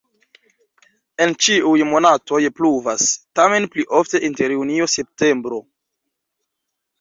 En ĉiuj monatoj pluvas, tamen pli ofte inter junio-septembro.